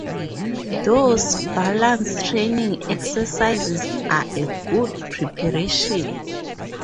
Thus, balance training exercises are a good preparation.